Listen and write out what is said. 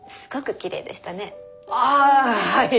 ああはい！